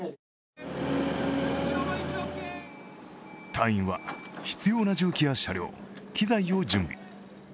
隊員は必要な重機や車両、機材を準備。